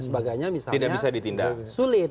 sebagainya misalnya sulit